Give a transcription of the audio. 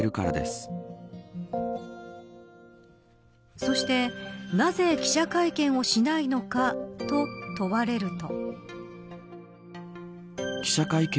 そしてなぜ記者会見をしないのかと問われると。